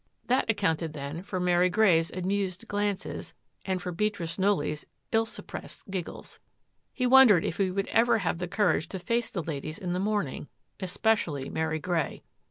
That accounted, then, for Mary Grey's amused glances and for Beatrice Knollys' ill suppressed giggles. He wondered if he would ever have the courage to face the ladies in the morning, especially Mary Grey.